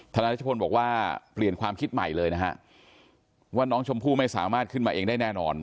รัชพลบอกว่าเปลี่ยนความคิดใหม่เลยนะฮะว่าน้องชมพู่ไม่สามารถขึ้นมาเองได้แน่นอน